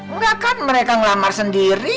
enggak kan mereka ngelamar sendiri